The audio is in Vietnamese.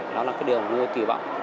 đó là cái điều mình có kỳ vọng